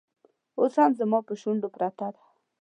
اوس هم زما پر شونډو پرته ده